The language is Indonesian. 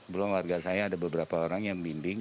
belum warga saya ada beberapa orang yang bimbing